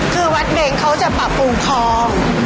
คือวัดเบนเขาจะปรับฟูฟัง